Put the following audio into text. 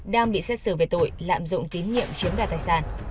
đang bị xét xử về tội lạm dụng tín nhiệm chiếm đoạt tài sản